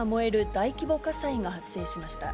大規模火災が発生しました。